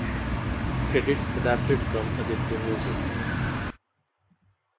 Credits adapted from Aditya Music.